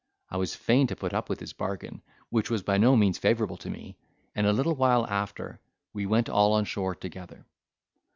I was fain to put up with this bargain, which was by no means favourable to me; and a little while after we went all on shore together.